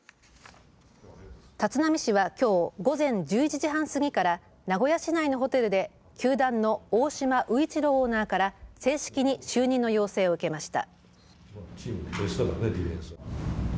立浪氏はきょう午前１１時半過ぎから名古屋市内のホテルで、球団の大島宇一郎オーナーから正式に就任の要請を受けました。